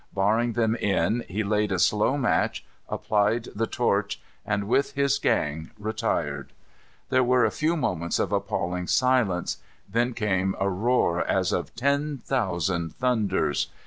Barring them in, he laid a slow match, applied the torch, and with his gang retired. There were a few moments of appalling silence. Then came a roar as of ten thousand thunders.